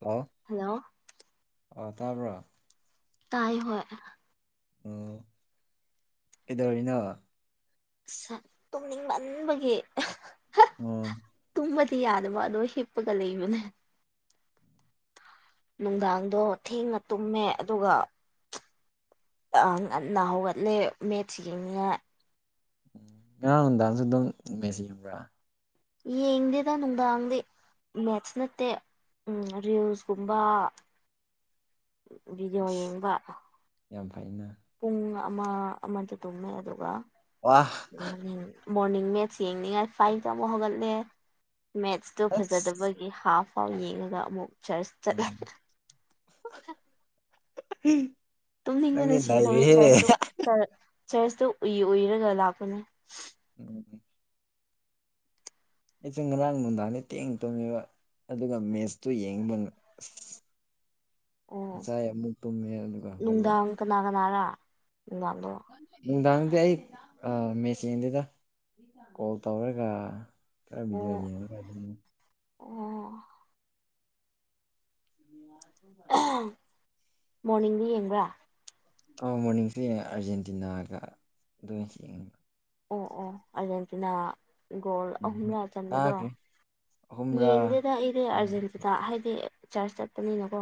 hello ꯑ ꯇꯥꯕ꯭ꯔꯥ ꯇꯥꯏ ꯍꯣꯏ ꯑꯣ ꯀꯩꯗꯧꯔꯤꯅꯣ [unintelligible] ꯇꯨꯝꯅꯤꯡꯃꯟꯕꯒꯤ ꯑꯣ ꯇꯨꯝꯕꯗꯤ ꯌꯥꯗꯕ ꯑꯗꯣ ꯍꯤꯞꯄꯒ ꯂꯩꯕꯅꯦ ꯅꯨꯡꯗꯥꯡꯗꯣ ꯊꯦꯡꯅ ꯇꯨꯝꯃꯦ ꯑꯗꯨꯒ ꯑ ꯉꯟꯅ ꯍꯧꯒꯠꯂꯦ ꯃꯦꯠꯁ ꯌꯦꯡꯅꯤꯉꯥꯏ ꯎꯝ ꯉꯔꯥꯡ ꯅꯨꯡꯗꯥꯡꯁꯨ ꯑꯗꯨꯝ ꯃꯦꯁꯤ ꯌꯦꯡꯕ꯭ꯔꯥ ꯌꯦꯡꯗꯦꯗ ꯅꯨꯡꯗꯥꯡꯗꯤ ꯃꯦꯠꯁ ꯅꯠꯇꯦ ꯔꯤꯟꯁꯀꯨꯝꯕ ꯚꯤꯗꯤꯑꯣ ꯑꯁ ꯌꯦꯡꯕ ꯌꯥꯝ ꯐꯩꯅ ꯄꯨꯡ ꯑꯃ ꯑꯃꯗ ꯇꯨꯝꯃꯦ ꯑꯗꯨꯒ ꯋꯥ [unintelligible] ꯃꯣꯔꯅꯤꯡ ꯃꯦꯠꯁ ꯌꯦꯡꯅꯤꯡꯉꯥꯏ ꯐꯥꯏꯚꯇ ꯑꯃꯨꯛ ꯍꯧꯒꯠꯂꯦ ꯃꯦꯠꯁꯇꯣ ꯑꯁ ꯐꯖꯗꯕꯩ ꯒꯤ ꯍꯥꯞ ꯐꯥꯎ ꯌꯦꯡꯉꯒ ꯑꯃꯨꯛ ꯆꯔꯆ ꯆꯠꯂꯦ [unintelligible] ꯅꯪꯗꯤ ꯅꯩꯔꯦꯍꯦ ꯆ ꯆ꯭ꯔꯁꯇꯣ ꯎꯏ ꯎꯏꯔꯒ ꯂꯥꯛꯄꯅꯦ [unintelligible] ꯑꯦꯆꯦ ꯉꯔꯥꯡ ꯅꯨꯡꯗꯥꯡꯅꯦ ꯊꯦꯡꯅ ꯇꯨꯝꯃꯦꯕ ꯑꯗꯨꯒ ꯃꯦꯠꯁꯇꯨ ꯌꯦꯡꯕ ꯑꯁ ꯑꯣ ꯉꯁꯥꯏ ꯑꯃꯨꯛ ꯇꯨꯝꯃꯦ ꯑꯗꯨꯒ ꯍꯧꯒꯠꯂꯦ ꯅꯨꯡꯗꯥꯡ ꯀꯅꯥ ꯀꯅꯥꯔꯥ ꯅꯨꯡꯗꯥꯡꯗꯣ ꯅꯨꯡꯗꯥꯡꯗꯤ ꯑꯩ ꯑ ꯃꯦꯠꯁ ꯌꯦꯡꯗꯦꯗ ꯀꯣꯜ ꯇꯧꯔꯒ ꯈꯔ ꯚꯤꯗꯤꯌꯣ ꯑꯣ ꯌꯦꯡꯂꯒ ꯑꯗꯨꯝ ꯑꯣ ꯃꯣꯔꯅꯤꯡꯗꯤ ꯌꯦꯡꯕ꯭ꯔꯥ ꯑꯧ ꯃꯣꯔꯅꯤꯡꯁꯨ ꯌꯦꯡꯉꯦ ꯑꯥꯔꯖꯦꯟꯇꯤꯅꯥꯒ ꯑꯗꯨ [unintelligible] ꯑꯣ ꯑꯣ ꯑꯔꯖꯦꯟꯇꯤꯅꯥ ꯒꯣꯜ ꯑꯍꯨꯝꯂꯥ ꯆꯟꯕꯗꯣ ꯀꯥꯈ꯭ꯔꯦ ꯑꯍꯨꯝꯔꯥ ꯌꯦꯡꯗꯦꯗ ꯑꯩꯗꯤ ꯎꯝ ꯑꯥꯔꯖꯦꯟꯇꯤꯅ ꯍꯥꯏꯗꯤ ꯆꯥꯔꯖ ꯆꯠꯄꯅꯤꯅꯀꯣ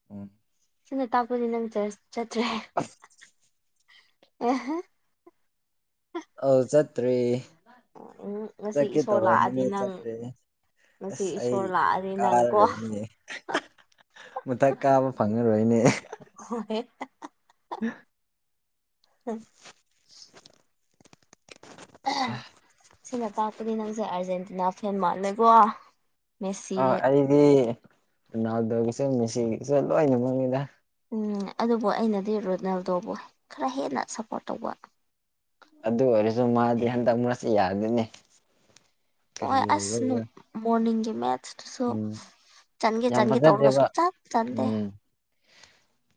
[unintelligible] ꯁꯤꯅ ꯇꯥꯛꯄꯗꯤ ꯅꯪ ꯆ꯭ꯔꯖ ꯆꯠꯇ꯭ꯔꯦ ꯑꯁ ꯑꯣ ꯆꯠꯇ꯭ꯔꯦ ꯎꯝ ꯉꯁꯤ ꯆꯠꯀꯦ ꯏꯁꯣꯔ ꯂꯥꯛꯑꯗꯤ ꯇꯧꯔꯝꯕꯅꯦ ꯅꯪ ꯆꯠꯇ꯭ꯔꯦ ꯉꯁꯤ ꯑꯁ ꯑꯩ ꯏꯁꯣꯔ ꯂꯥꯛꯑꯗꯤ ꯅꯪꯀꯣ ꯀꯥꯔꯔꯣꯏꯅꯤꯅꯦ ꯃꯊꯛ ꯀꯥꯕ ꯐꯪꯉꯔꯣꯏꯅꯦ ꯍꯣꯏ [unintelligible] ꯁꯤꯅ ꯇꯥꯛꯄꯗꯤ ꯅꯪꯁꯦ ꯑꯥꯔꯖꯦꯟꯇꯤꯅꯥ ꯐꯦꯟ ꯃꯥꯟꯂꯦꯀꯣ ꯑ ꯑꯩꯗꯤ ꯔꯣꯅꯥꯜꯗꯣꯒꯤꯁꯨ ꯃꯦꯁꯤꯒꯤꯁꯨ ꯂꯣꯏꯅ ꯃꯛꯅꯤꯗ ꯎꯝ ꯑꯗꯨꯕꯨ ꯑꯩꯅꯗꯤ ꯔꯣꯅꯦꯜꯗꯣꯕ ꯈꯔ ꯍꯦꯟꯅ ꯁꯞꯄꯣꯔꯠ ꯇꯧꯕ ꯑꯗꯨ ꯑꯣꯏꯔꯁꯨ ꯃꯥꯗꯤ ꯍꯟꯗꯛ ꯃꯥꯁꯤ ꯌꯥꯗꯦꯅꯦ ꯑꯣ ꯀꯔꯤ ꯑꯁ ꯑꯣꯏꯕꯩꯔ ꯅꯨꯡ ꯃꯣꯔꯅꯤꯡꯒꯤ [unintelligible] ꯑꯗꯨꯁꯨ ꯎꯝ ꯆꯟꯒꯦ ꯌꯥꯝ ꯆꯟꯒꯦ ꯇꯧꯔꯒ ꯐꯖꯗꯦꯕ ꯁꯨꯡꯆꯟ ꯆꯟꯗꯦ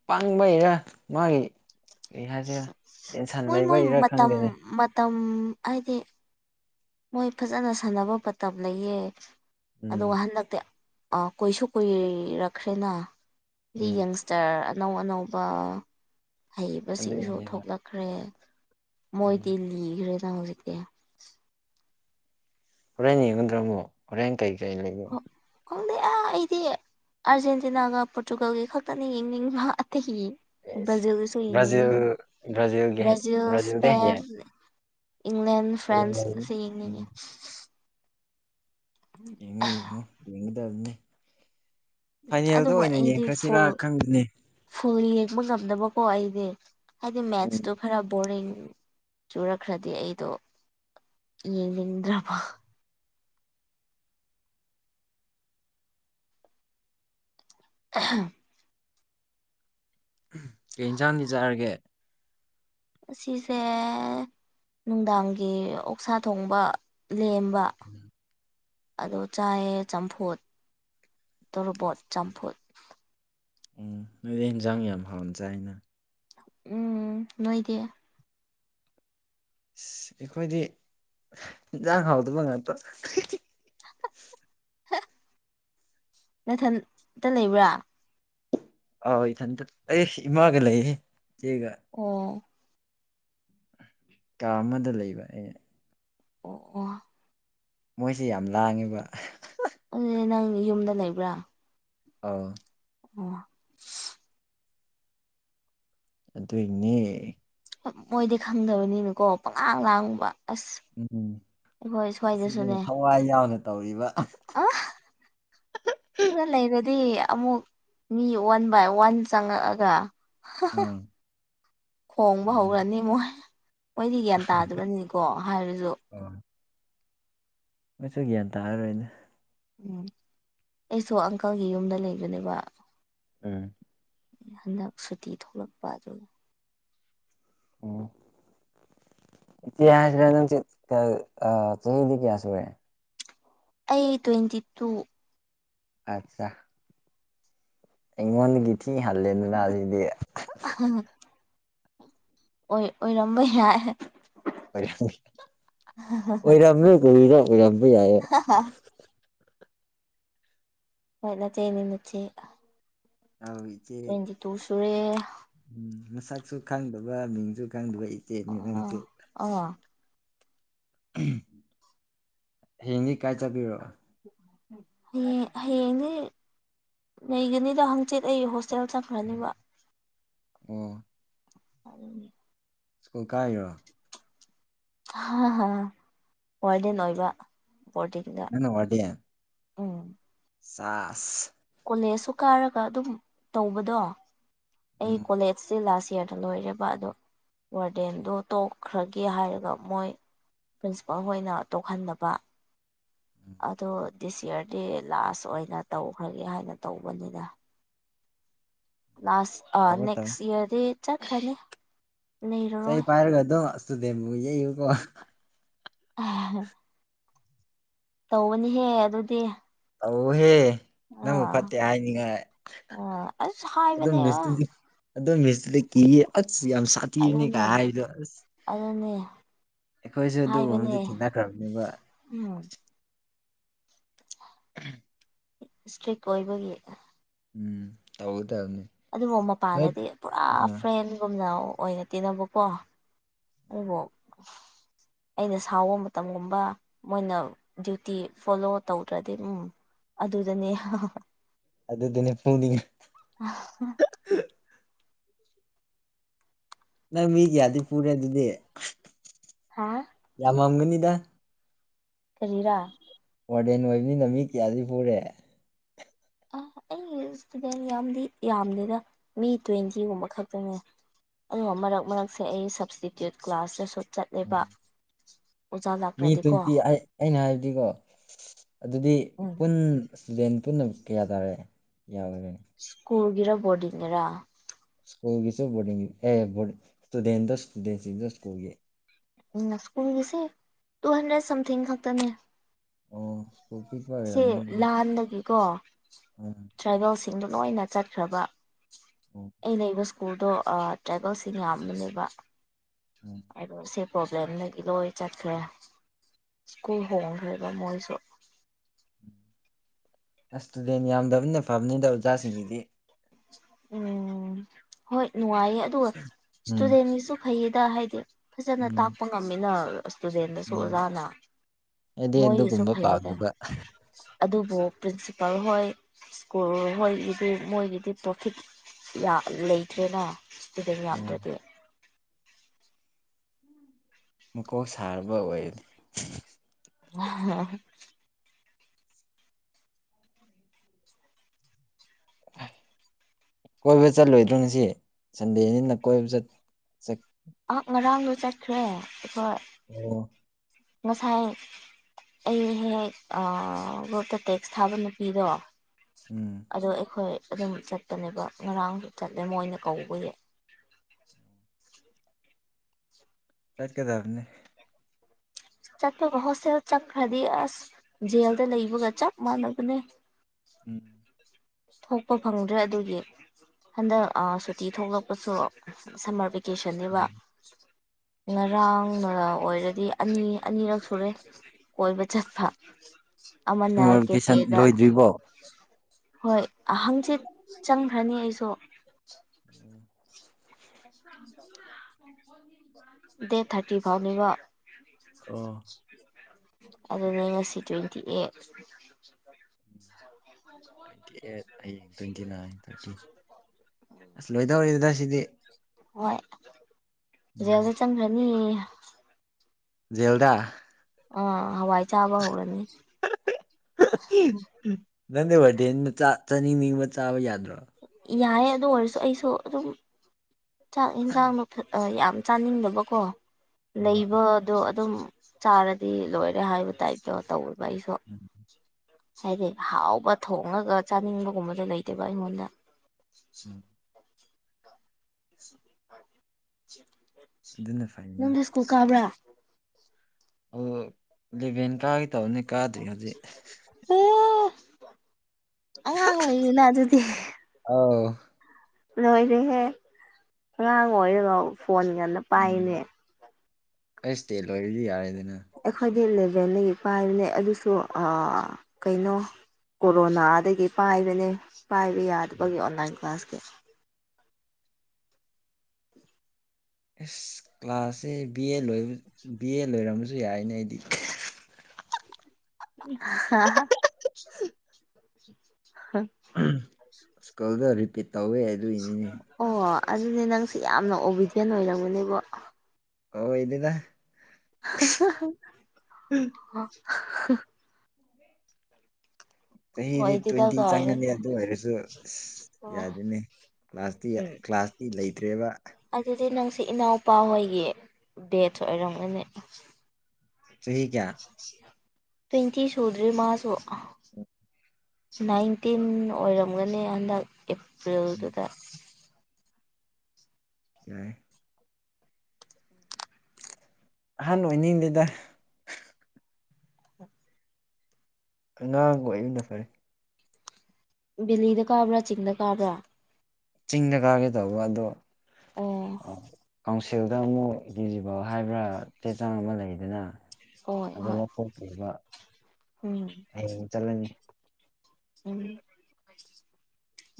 ꯄꯡꯕꯩꯔꯥ ꯃꯥꯒꯤ ꯀꯔꯤ ꯍꯥꯏꯁꯤꯔ ꯇꯦꯟꯁꯟ ꯂꯩꯕꯩꯔꯥ ꯈꯪꯗꯦꯅꯦ ꯇꯝ ꯍꯥꯏꯗꯤ ꯃꯣꯏ ꯐꯖꯅ ꯁꯥꯟꯅꯕ ꯃꯇꯝ ꯂꯩꯌꯦ ꯎꯝ ꯑꯗꯣ ꯍꯟꯗꯛꯇꯤ ꯑꯥ ꯀꯨꯏꯁꯨ ꯀꯨꯏꯔꯛꯈ꯭ꯔꯦꯅ ꯎꯝ [unintelligible] ꯇꯔ ꯑꯅꯧ ꯑꯅꯧꯕ ꯍꯩꯕꯁꯤꯡꯁꯨ ꯑꯗꯨꯏꯅꯦꯕ ꯊꯣꯛꯂꯛꯈ꯭ꯔꯦ ꯎꯝ ꯃꯣꯏꯗꯤ ꯂꯤꯈ꯭ꯔꯦꯗ ꯍꯧꯖꯤꯛꯇꯤ ꯍꯣꯔꯦꯟ ꯌꯦꯡꯒꯗ꯭ꯔꯥ ꯅꯪꯕꯨ ꯍꯣꯔꯦꯟ ꯀꯩ ꯀꯩ ꯂꯩꯒꯦ ꯍ ꯈꯪꯗꯦ ꯑꯩꯗꯤ ꯑꯥꯔꯖꯦꯟꯇꯤꯅꯥꯒ ꯄꯣꯔꯇꯨꯒꯜꯒꯤ ꯈꯛꯇꯅ ꯌꯦꯡꯅꯤꯡꯕ ꯑꯇꯩ ꯕ꯭ꯔꯥꯖꯤꯜꯁꯨ ꯌꯦꯡꯅꯤꯡꯉꯤ ꯕ꯭ꯔꯥꯖꯤꯜ ꯕ꯭ꯔꯥꯖꯤꯜꯒꯤ ꯕ꯭ꯔꯥꯖꯤꯜ ꯕ꯭ꯔꯥꯖꯤꯜꯗ ꯇ ꯍꯌꯦꯡ ꯏꯪꯂꯦꯟ ꯍꯌꯦꯡ ꯐ꯭ꯔꯥꯟꯁ ꯂꯩꯅꯤ ꯑꯁꯤ ꯎꯝ ꯌꯦꯡꯅꯤꯡꯉꯤ ꯌꯦꯡꯉꯣ ꯌꯦꯡꯉꯣ ꯌꯦꯒꯗꯕꯅꯦ ꯐꯥꯏꯅꯦꯜꯗ ꯑꯗꯨꯕꯨ ꯑꯣꯏꯅ ꯑꯩꯗꯤ ꯌꯦꯡꯈ꯭ꯔꯁꯤꯔ ꯐꯨꯜ ꯈꯪꯗꯦꯅꯦ ꯐꯨꯜ ꯌꯦꯡꯕ ꯉꯝꯗꯕꯀꯣ ꯑꯩꯗꯤ ꯍꯥꯏꯗꯤ ꯎꯝ ꯃꯦꯠꯁꯇꯣ ꯈꯔ ꯕꯣꯔꯤꯡ ꯆꯨꯔꯛꯈ꯭ꯔꯗꯤ ꯑꯩꯗꯣ ꯌꯦꯡꯅꯤꯡꯗ꯭ꯔꯕ ꯑꯍꯝ ꯀꯩ ꯏꯟꯁꯥꯡꯗꯤ ꯆꯥꯔꯒꯦ ꯑꯁꯤꯁꯦ ꯅꯨꯡꯗꯥꯡꯒꯤ ꯑꯣꯛꯁꯥ ꯊꯣꯡꯕ ꯂꯦꯝꯕ [inaudible] ꯑꯗꯣ ꯆꯥꯏꯑꯦ ꯆꯝꯐꯨꯠ ꯇꯣꯔꯕꯣꯠ ꯆꯝꯐꯨꯠ ꯎꯝ ꯅꯣꯏꯗꯤ ꯍꯦꯟꯖꯥꯡ ꯌꯥꯝ ꯍꯥꯎꯅ ꯆꯥꯏꯅ ꯎꯝ ꯅꯣꯏꯗꯤ ꯏꯁ ꯑꯩꯈꯣꯏꯗꯤ ꯏꯟꯁꯥꯡ ꯍꯥꯎꯗꯕ ꯉꯥꯛꯇ ꯃꯊꯟꯇ ꯂꯩꯕ꯭ꯔꯥ ꯑꯥꯎ ꯏꯊꯟꯇ ꯑꯩ ꯏꯃꯥꯒ ꯂꯩꯌꯦ ꯏꯆꯦꯒ ꯑꯣ ꯀꯥ ꯑꯃꯗ ꯂꯩꯕ ꯑꯩꯅ ꯑꯣ ꯑꯣ ꯃꯣꯏꯁꯦ ꯌꯥꯝ ꯂꯥꯡꯉꯦꯕ ꯑꯗꯨꯗꯤ ꯅꯪ ꯌꯨꯝꯗ ꯂꯩꯕ꯭ꯔꯥ ꯑꯥꯎ ꯑꯣ ꯑꯗꯨꯏꯅꯦ ꯃꯣꯏꯗꯤ ꯈꯪꯗꯕꯅꯤꯅꯀꯣ ꯄꯪꯉꯥꯡ ꯂꯥꯡꯕ ꯑꯁ ꯎꯝ ꯑꯩꯈꯣꯏ ꯑꯁꯤꯅ ꯁ꯭ꯋꯥꯏꯗꯁꯨꯅꯦ ꯊꯋꯥꯏ ꯌꯥꯎꯅ ꯇꯧꯔꯤꯕ ꯑ ꯈꯔ ꯂꯩꯔꯗꯤ ꯑꯃꯨꯛ ꯃꯤ ꯋꯥꯟ ꯕꯥꯏ ꯋꯥꯟ ꯆꯪꯉꯛꯑꯒ ꯑꯥ ꯈꯣꯡꯕ ꯎꯝ ꯍꯧꯔꯅꯤ ꯃꯣꯏ ꯃꯣꯏꯗꯤ ꯒ꯭ꯌꯥꯟ ꯇꯥꯗꯕꯅꯤꯀꯣ ꯍꯥꯏꯔꯁꯨ ꯑ ꯃꯣꯏꯁꯨ ꯒ꯭ꯌꯥꯟ ꯇꯥꯔꯔꯣꯏꯅꯦ ꯎꯝ ꯑꯩꯁꯨ ꯑꯪꯀꯜꯒꯤ ꯌꯨꯝꯗ ꯂꯩꯕꯅꯦꯕ ꯎꯝ ꯍꯟꯗꯛ ꯁꯨꯇꯤ ꯊꯣꯛꯂꯛꯄ ꯑꯗꯨ [inaudible] ꯏꯁꯤ ꯍꯥꯏꯁꯤꯔꯥ ꯅꯪꯁꯦ ꯆꯍꯤꯗꯤ ꯀꯌꯥ ꯁꯨꯔꯦ ꯑꯩ ꯇ꯭ꯋꯦꯟꯇꯤ ꯇꯨ ꯑꯠꯆꯥ ꯑꯩꯉꯣꯟꯗꯒꯤ ꯊꯤ ꯍꯜꯂꯦꯗꯅ ꯑꯁꯤꯗꯤ ꯍꯝ ꯑꯣꯏ ꯑꯣꯏꯔꯝꯕ ꯌꯥꯏ ꯑꯣꯏꯔꯃꯦ ꯀꯩꯅꯣ ꯑꯣꯏꯔꯝꯕꯥ ꯌꯥꯏ ꯑ ꯍ [unintelligible] ꯍꯣꯏ ꯅꯆꯦꯅꯤ ꯅꯆꯦ ꯍ [unintelligible] ꯇ꯭ꯋꯦꯟꯇꯤ ꯇꯨ ꯁꯨꯔꯦ ꯎꯝ ꯃꯁꯛꯁꯨ ꯈꯪꯗꯕ ꯃꯤꯡꯁꯨ ꯈꯪꯗꯕ ꯏꯆꯦꯅꯤ ꯑꯣ ꯅꯪꯁꯦ ꯑꯣ ꯍꯌꯦꯡꯗꯤ ꯀꯥꯏ ꯆꯠꯕꯤꯔꯑꯣ ꯍꯌꯦꯡ ꯍꯌꯦꯡꯗꯤ ꯂꯩꯒꯅꯤꯗꯣ ꯍꯪꯆꯤꯠ ꯑꯩ ꯍꯣꯁꯇꯦꯜ ꯆ ꯐꯥꯅꯤꯕꯥ ꯑꯣ ꯎ ꯁ꯭ꯀꯨꯜ ꯀꯥꯏꯔꯣ ꯍꯥ ꯍꯥ ꯋꯔꯗꯦꯟ ꯑꯣꯏꯕꯥ ꯕꯣꯔꯗꯤꯡꯗꯥ ꯅꯪꯅꯥ ꯋꯥꯔꯗꯦꯟ ꯎꯝ ꯁꯥꯁ ꯀꯣꯂꯦꯖꯁꯨ ꯀꯥꯔꯒ ꯑꯗꯨꯝ ꯇꯧꯕꯗꯣ ꯑꯩ ꯎꯝ ꯀꯣꯂꯦꯖ ꯁꯤ ꯂꯥꯁ ꯌꯔꯗ ꯂꯣꯏꯔꯦꯕ ꯑꯗꯣ ꯋꯥꯔꯗꯦꯟꯗꯣ ꯇꯣꯛꯈ꯭ꯔꯒꯦ ꯍꯥꯏꯔꯒ ꯃꯣꯏ ꯄ꯭ꯔꯤꯟꯁꯤꯄꯜ ꯍꯣꯏꯅ ꯇꯣꯛꯍꯟꯗꯕꯥ ꯑꯗꯣ ꯗꯤꯁ ꯌꯌꯥꯔꯗꯤ ꯂꯥꯁ ꯑꯣꯏꯅ ꯇꯧꯈ꯭ꯔꯒꯦ ꯍꯥꯏꯅ ꯇꯧꯕꯅꯤꯅ ꯂꯥꯁ ꯇꯧꯋꯣ ꯇꯧꯋꯣ ꯅꯦꯛꯁ ꯏꯌꯔꯗꯤ ꯆꯠ ꯈ꯭ꯔꯅꯤ ꯆꯩ ꯄꯥꯏꯔꯒꯗꯣ ꯁꯇꯨꯗꯦꯟꯕꯨ ꯌꯦꯌꯨ ꯀꯣ ꯑ ꯇꯧꯕꯅꯤꯍꯦ ꯑꯗꯨꯗꯤ ꯇꯧꯍꯦ ꯅꯪꯕꯨ ꯑꯥ ꯐꯠꯇꯦ ꯍꯥꯏꯅꯤꯡꯉꯥꯏ ꯑ ꯑꯁ ꯑꯗꯨꯝ ꯍꯥꯏꯕꯅꯦ ꯑ ꯃꯤꯁꯇꯨꯗꯤ ꯑꯗꯨꯝ ꯃꯤꯁꯤꯗ ꯀꯤꯌꯦ ꯑꯛꯁ ꯌꯥꯝ ꯁꯥꯠ ꯑꯗꯨꯅꯦ ꯑꯗꯨꯅꯦ ꯑꯩꯈꯣꯏꯁꯨ ꯑꯗꯨꯒꯨꯝꯕꯗꯤ ꯍꯥꯏꯕꯅꯦ ꯊꯦꯡꯅꯈ꯭ꯔꯕꯅꯦꯕ [unintelligible] ꯏꯁꯇ꯭ꯔꯤꯛ ꯑꯣꯏꯕꯒꯤ ꯎꯝ ꯇꯧꯒꯗꯕꯅꯤ ꯑꯗꯨꯕꯨ ꯅꯣꯏ ꯃꯄꯥꯟꯗꯗꯤ ꯄꯨꯔꯥ ꯑꯥ ꯐ꯭ꯔꯦꯟꯒꯨꯝꯅ ꯑꯣꯏꯅꯦ ꯇꯤꯅꯕꯀꯣ ꯑꯗꯨꯕꯨ ꯑꯩꯅ ꯁꯥꯎꯕ ꯃꯇꯝꯒꯨꯝꯕ ꯃꯣꯏꯅ ꯗ꯭ꯌꯨꯇꯤ ꯐꯣꯂꯣ ꯇꯧꯗ꯭ꯔꯗꯤ ꯎꯝ ꯑꯗꯨꯗꯅꯤ ꯑꯗꯨ ꯑꯗꯨꯅꯦ ꯄꯨꯨꯅꯤꯡꯉꯦ [unintelligible] ꯅꯪ ꯃꯤꯒꯤꯌꯥꯗꯤ ꯄꯨꯔꯦ ꯑꯗꯨꯗꯤ ꯍꯥꯥ ꯌꯥꯝꯃꯝꯒꯅꯤꯗ ꯀꯔꯤꯔꯥ ꯋꯥꯔꯗꯦꯟ ꯑꯣꯏꯕꯅꯤꯅ ꯃꯤ ꯀꯌꯥꯗꯤ ꯄꯨꯔꯦ ꯑ ꯑꯩꯒꯤ ꯏꯁꯇꯨꯗꯦꯟ ꯌꯥꯝꯗꯤ ꯌꯥꯝꯗꯦꯗ ꯃꯤ ꯇ꯭ꯋꯦꯟꯇꯤꯒꯨꯝꯕ ꯈꯛꯇꯅꯦ ꯑꯗꯨꯒ ꯃꯔꯛ ꯃꯔꯛꯁꯦ ꯑꯩ ꯁꯞꯁꯇꯤꯇ꯭ꯌꯨꯠ ꯀ꯭ꯂꯥꯁꯇꯁꯨ ꯆꯠꯂꯦꯕ ꯑꯣꯖꯥ ꯃꯤ ꯂꯥꯛꯇ꯭ꯔꯗꯤꯀꯣ ꯇ꯭ꯋꯦꯟꯇꯤ ꯑꯩ ꯑꯩꯅ ꯍꯥꯏꯕꯗꯤꯀꯣ ꯑꯗꯨꯗꯤ ꯎꯝ ꯄꯨꯟ ꯏꯁꯇꯨꯗꯦꯟ ꯄꯨꯝꯅ ꯀꯌꯥ ꯇꯥꯔꯦ ꯌꯥꯎ ꯍꯥꯏꯒꯅꯤ ꯁ꯭ꯀꯨꯜꯒꯤꯔ ꯕꯣꯔꯗꯤꯡꯒꯤꯔ ꯁ꯭ꯀꯨꯜꯒꯤꯁꯨ ꯕꯣꯔꯗꯤꯡ ꯑꯦ ꯕꯣꯔꯗꯤꯡ ꯏꯁꯇꯨꯗꯦꯟꯗꯣ ꯏꯁꯇꯨꯗꯦꯟꯁꯤꯡꯗ ꯁ꯭ꯀꯨꯜꯒꯤ ꯎꯝ ꯁ꯭ꯀꯨꯜꯒꯤꯁꯦ ꯇꯨ ꯍꯟꯗ꯭ꯔꯦꯠ ꯁꯝꯊꯤꯡ ꯈꯛꯇꯅꯦ ꯑꯣ ꯁꯀꯨꯜ ꯄꯤꯛꯄꯩ ꯑꯣꯏꯔꯝꯅꯤ ꯑꯗꯨꯗꯤ ꯍꯟꯗꯛꯒꯤꯀꯣ ꯎꯝ ꯇ꯭ꯔꯥꯏꯚꯦꯜꯁꯤꯡꯗꯣ ꯂꯣꯏꯅ ꯆꯠꯈ꯭ꯔꯕ ꯑꯣ ꯑꯩ ꯂꯩꯕꯁ ꯁꯀꯨꯜꯗꯣ ꯑ ꯇ꯭ꯔꯥꯏꯕꯦꯜꯁꯤꯡ ꯌꯥꯝꯕꯅꯦꯕ ꯎꯝ ꯍꯥꯏꯗꯣꯁꯦ ꯄ꯭ꯔꯣꯕ꯭ꯂꯦꯝꯅꯗꯤ ꯂꯣꯏ ꯆꯠꯈ꯭ꯔꯦ ꯁ꯭ꯀꯨꯜ ꯍꯣꯡꯈ꯭ꯔꯦꯕ ꯃꯣꯏꯁꯨ ꯑꯁꯇꯨꯗꯦꯟ ꯌꯥꯝꯗꯕꯅꯤꯅ ꯐꯕꯅꯤꯗ ꯑꯣꯖꯥꯁꯤꯡꯒꯤꯗꯤ ꯎꯝ ꯍꯣꯏ ꯅꯨꯡꯉꯥꯏꯌꯦ ꯑꯗꯨꯒ ꯎꯝ ꯏꯁꯇꯨꯗꯦꯟꯒꯤꯁꯨ ꯐꯩꯌꯦꯗ ꯍꯥꯏꯗꯤ ꯐꯖꯅ ꯎꯝ ꯇꯥꯛꯄ ꯉꯝꯃꯤꯅ ꯏꯁꯇꯨꯗꯦꯟꯗꯁꯨ ꯑꯣꯖꯥꯅ ꯍꯥꯏꯗꯤ ꯃꯣꯏꯒꯤꯁꯨ ꯑꯗꯨꯒꯨꯝꯕ ꯐꯩꯌꯦꯗ ꯄꯥꯝꯗꯕ ꯑꯗꯨꯕꯨ ꯄ꯭ꯔꯤꯟꯁꯤꯄꯜ ꯍꯣꯏ ꯁ꯭ꯀꯨꯜ ꯍꯣꯏꯒꯤꯁꯨ ꯃꯣꯏꯒꯤꯗꯤ ꯄ꯭ꯔꯣꯐꯤꯠ ꯌꯥ ꯂꯩꯇ꯭ꯔꯦꯅ ꯏꯁꯇꯨꯗꯦꯟ ꯑꯣ ꯌꯥꯝꯗ꯭ꯔꯗꯤ ꯃꯀꯣꯛ ꯁꯥꯔꯕ ꯑꯣꯏꯌꯦ [unintelligible] ꯀꯣꯏꯕ ꯆꯠꯂꯣꯏꯗ꯭ꯔꯣ ꯉꯁꯤ ꯁꯟꯗꯦꯅꯤꯅ ꯀꯣꯏꯕ ꯆꯠ ꯆꯛ ꯑ ꯉꯔꯥꯡꯗꯣ ꯆꯠꯈ꯭ꯔꯦ ꯑꯩꯈꯣꯏ ꯑꯣ ꯉꯁꯥꯏ ꯑꯩ ꯍꯦꯛ ꯑ ꯒ꯭ꯔꯨꯞꯇ ꯇꯦꯛꯁ ꯊꯥꯕ ꯅꯨꯄꯤꯗꯣ ꯎꯝ ꯑꯗꯣ ꯑꯩꯈꯣꯏ ꯑꯗꯨꯝ ꯆꯠꯄꯅꯦꯕ ꯉꯔꯥꯡꯁꯨ ꯆꯠꯂꯦ ꯃꯣꯏꯅ ꯀꯧꯕꯒꯤ ꯆꯠꯀꯗꯕꯅꯤ ꯆꯠꯄꯒ ꯍꯣꯁꯇꯦꯜ ꯆꯠꯈ꯭ꯔꯗꯤ ꯑꯁ ꯖꯦꯜꯗ ꯂꯩꯕꯒ ꯆꯞ ꯃꯥꯟꯅꯕꯅꯦ ꯎꯝ ꯊꯣꯛꯄ ꯐꯪꯗ꯭ꯔꯦ ꯑꯗꯨꯒꯤ ꯍꯟꯗꯛ ꯑ ꯁꯨꯇꯤ ꯊꯣꯛꯂꯛꯄꯁꯨ ꯁꯝꯃꯔ ꯚꯦꯛ ꯀꯦꯁꯟꯅꯦꯕ ꯎꯝ ꯉꯔꯥꯡꯉꯔꯥ ꯑꯣꯏꯔꯗꯤ ꯑꯅꯤ ꯑꯅꯤꯔꯛ ꯁꯨꯔꯦ ꯀꯣꯏꯕ ꯆꯠꯄ ꯑꯃꯅ ꯁꯝꯃꯔ ꯚꯦꯀꯦꯁꯟ ꯀꯦꯐꯦꯗ ꯂꯣꯏꯗ꯭ꯔꯤꯕꯣ ꯍꯣꯏ ꯑꯍꯪꯆꯤꯠ ꯆꯪꯈ꯭ꯔꯅꯤ ꯑꯩꯁꯨ [unintelligible] ꯗꯦꯠ ꯊꯥꯔꯇꯤ ꯐꯥꯎꯅꯦꯕ ꯑꯣ ꯑꯗꯨꯅꯦ ꯉꯁꯤ ꯇꯣꯏꯟꯇꯤ ꯑꯦꯠ ꯇꯣꯏꯟꯇꯤ ꯑꯦꯠ ꯑꯁ ꯂꯣꯏꯗꯧꯔꯦꯗ ꯁꯤꯗꯤ [unintelligible] ꯍꯣꯏ ꯖꯦꯜꯗ ꯎꯝ ꯆꯪꯈ꯭ꯔꯅꯤꯌꯦ ꯖꯦꯜꯗꯥ ꯑ ꯍꯋꯥꯏ ꯆꯥꯕ ꯍꯧꯔꯅꯤ ꯅꯪꯗꯤ ꯋꯥꯔꯗꯦꯟꯅꯤꯅ ꯆꯥ ꯆꯅꯤꯡꯅꯤꯡꯕ ꯆꯥꯕ ꯌꯥꯗ꯭ꯔꯣ ꯌꯥꯏꯌꯦ ꯑꯗꯨ ꯑꯣꯏꯔꯁꯨ ꯑꯩꯁꯨ ꯑꯗꯨꯝ ꯆꯥꯛ ꯏꯟꯁꯥꯡ ꯐꯠ ꯑ ꯌꯥꯝ ꯆꯥꯅꯤꯡꯗꯕꯀꯣ ꯎꯝ ꯂꯩꯕ ꯗꯣ ꯑꯗꯨꯝ ꯆꯥꯔꯗꯤ ꯂꯣꯏꯔꯦ ꯍꯥꯏꯕ ꯇꯥꯏꯞꯇꯣ ꯇꯧꯋꯦꯕ ꯑꯩꯁꯨ ꯎꯝ ꯍꯥꯏꯗꯤ ꯍꯥꯎꯕ ꯊꯣꯡꯉꯒ ꯆꯥꯅꯤꯡꯕꯒꯨꯝꯕꯗꯣ ꯂꯩꯇꯦꯕ ꯑꯩꯉꯣꯟꯗ ꯎꯝ [unintelligible] ꯑꯗꯨꯅ ꯐꯩꯅ ꯀꯨꯀꯥꯕ꯭ꯔꯥ [unintelligible] ꯂꯦꯚꯦꯟ ꯀꯥꯒꯦ ꯇꯧꯕꯅꯤ ꯀꯥꯗ꯭ꯔꯤ ꯍꯧꯖꯤꯛ ꯑꯣ ꯑꯉꯥꯡ ꯑꯣꯏꯔꯤꯅ ꯑꯗꯨꯗꯤ ꯑꯧ ꯂꯣꯏꯔꯦꯍꯦ ꯑꯉꯥꯡ ꯑꯣꯏꯔꯒ ꯐꯣꯟ ꯉꯟꯅ ꯄꯥꯏꯌꯦꯅꯦ ꯑꯩꯁ ꯇꯦ ꯂꯣꯏꯔꯗꯤ ꯌꯥꯔꯦꯗꯅ ꯑꯩꯈꯣꯏꯗꯤ ꯏꯂꯦꯚꯦꯜꯗꯒꯤ ꯄꯥꯏꯕꯅꯦ ꯑꯗꯨꯁꯨ ꯑꯥ ꯀꯩꯅꯣ ꯀꯣꯔꯣꯅꯥꯗꯒꯤ ꯄꯥꯏꯕꯅꯦ ꯄꯥꯏꯕ ꯌꯥꯗꯕꯒꯤ ꯑꯣꯟꯂꯥꯏꯟ ꯀ꯭ꯂꯥꯁꯀꯤ ꯑꯦꯁ ꯀ꯭ꯂꯥꯁꯁꯦ ꯕꯤ ꯑꯦ ꯂꯣꯏꯕꯠ ꯕꯤ ꯑꯦ ꯂꯣꯏꯔꯝꯕꯁꯨ ꯌꯥꯏꯅꯦ ꯑꯩꯗꯤ [unintelligible] [unintelligible] ꯁ꯭ꯀꯜꯗ ꯔꯤꯄꯤꯠ ꯇꯧꯋꯦ ꯑꯗꯨꯏꯅꯤꯅꯦ ꯑꯣ ꯑꯗꯨꯗꯤ ꯅꯪꯁꯦ ꯌꯥꯝꯅ ꯑꯣꯕꯤꯗꯤꯌꯦꯟ ꯑꯣꯏꯔꯝꯒꯅꯦꯕꯨ ꯑꯣꯏꯗꯦꯗ [unintelligible] ꯆꯍꯤꯗꯤ ꯑꯣꯏꯗꯦꯗ ꯇꯣꯏꯟꯇꯤ ꯀꯥꯏꯅ ꯆꯪꯉꯅꯤ ꯑꯗꯨ ꯑꯣꯏꯔꯁꯨ ꯑꯁ ꯑꯣ ꯌꯥꯗꯣꯏꯅꯦ ꯀ꯭ꯂꯥꯁꯇꯤ ꯀ꯭ꯂꯥꯁꯇꯤ ꯂꯩꯇ꯭ꯔꯦꯕ ꯑꯗꯨꯗꯤ ꯅꯪꯁꯤ ꯏꯅꯥꯎꯄꯥ ꯍꯣꯏꯒꯤ ꯕꯦꯠꯁ ꯑꯣꯏꯔꯝꯒꯅꯤ ꯆꯍꯤ ꯀꯌꯥ ꯇꯣꯏꯟꯇꯤ ꯁꯨꯗ꯭ꯔꯤ ꯃꯥꯁꯨ ꯅꯥꯏꯟꯇꯤꯟ ꯑꯣꯏꯔꯝꯒꯅꯤ ꯍꯟꯗꯛ ꯎꯝ ꯑꯦꯄ꯭ꯔꯤꯜꯗꯨꯗ ꯌꯥꯏꯌꯦ ꯑꯍꯟ ꯑꯣꯏꯅꯤꯡꯗꯦꯗ ꯑꯉꯥꯡꯒ ꯑꯣꯏꯕꯅ ꯐꯔꯦ ꯕꯦꯂꯤꯗ ꯀꯥꯕ꯭ꯔꯥ ꯆꯤꯡꯗ ꯀꯥꯕ꯭ꯔꯥ ꯆꯤꯡꯗ ꯀꯥꯒꯦ ꯇꯧꯕ ꯑꯗꯣ ꯑꯣ ꯑꯥ ꯀꯥꯎ ꯁꯤꯜꯗꯃꯨꯛ ꯏꯂꯤꯖꯤꯕꯜ ꯍꯥꯏꯕ꯭ꯔꯥ ꯆꯦ ꯆꯥꯡ ꯑꯃ ꯂꯩꯗꯅ ꯍꯣꯏ ꯑꯗꯨ ꯍꯣꯏ ꯂꯧꯇ‌ꯣꯛꯇ꯭ꯔꯤꯕ ꯎꯝ ꯆꯠꯂꯅꯤ ꯎꯝ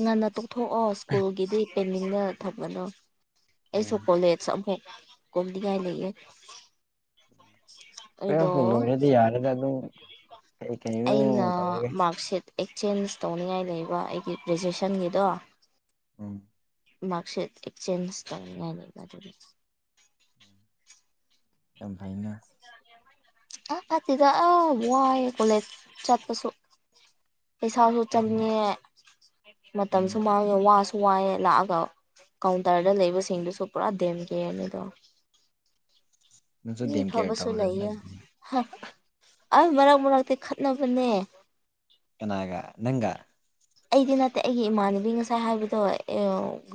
ꯉꯟꯅ ꯇꯣꯛꯊꯣꯛꯑꯣ ꯁ꯭ꯀꯨꯜꯒꯤꯗꯤ ꯄꯦꯟꯅꯤꯡꯅ ꯊꯝꯕꯗ‌ꯣ ꯑꯩꯁꯨ ꯎꯝ ꯀꯣꯜꯂꯦ ꯁ‌ꯑꯃꯨꯛ ꯀꯨꯝꯅꯤꯉꯥꯏ ꯂꯩꯌ‌ꯦ ꯇ꯭ꯋ‌ꯦꯜꯞ ꯄꯨ ꯂ‌ꯣꯏꯔꯗꯤ ꯌꯥꯔꯦꯗ ꯑꯗꯨ ꯑꯩꯅ ꯃꯥꯔꯛꯁꯤꯠ ꯑꯦꯛꯆꯦꯟꯖ ꯇꯧꯅꯤꯡꯉꯥꯏ ꯂꯩꯕ ꯑꯩꯒꯤ ꯒ꯭ꯔꯦꯖꯨꯋꯦꯁꯟꯒꯤꯗꯣ ꯎꯝ ꯃꯥꯔꯛꯁꯤꯠ ꯑꯦꯛꯆꯦꯟꯖ ꯇꯧꯅꯤꯉꯥꯏ ꯂꯩꯕ ꯑꯗꯨꯒꯤ ꯌꯥꯝ ꯐꯩꯅꯥ ꯑ ꯅꯠꯇꯤꯗ ꯑꯥ ꯋꯥꯏꯌ‌ꯦ ꯀꯣꯂꯦꯖ ꯆꯠꯄꯁꯨ ꯄꯩꯁꯥꯁꯨ ꯆꯪꯉꯦ ꯃꯇꯝꯁꯨ ꯎꯝ ꯃꯥꯡ ꯉ‌ꯦ ꯋꯥꯁꯨ ꯋꯥꯏꯌꯦ ꯂꯥꯛꯑꯒ ꯀꯥꯎꯟꯇꯔꯗ ꯂꯩꯕꯁꯤꯡꯗꯨꯁꯨ ꯄꯨꯔꯥ ꯗꯦꯝ ꯀꯤꯌꯔꯅꯤ ꯗꯣ ꯅꯪꯁꯨ ꯃꯤ ꯗꯦꯝ ꯀꯦꯌꯔ ꯐꯕꯁꯨ ꯇꯧꯔꯦꯗꯅ ꯂꯩꯌꯦ ꯑꯗꯨꯗꯤ ꯍ ꯑꯥ ꯃꯔꯛ ꯃꯔꯛꯇ ꯈꯠꯅꯕꯅꯦ ꯀꯅꯥꯒ ꯅꯪꯒ ꯑꯩꯗꯤ ꯅꯠꯇꯦ ꯑꯩꯒꯤ ꯏꯃꯥꯟꯅꯕꯤ ꯉꯁꯥꯏ ꯍꯥꯏꯕꯗꯣ ꯑꯦꯌꯣ